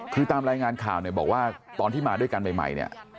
คือตามรายงานข่าวเนี่ยบอกว่าตอนที่มาด้วยกันใหม่เนี่ย